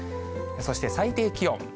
そして最低気温。